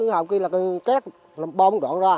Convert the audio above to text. hồi kia là cát bông đoạn ra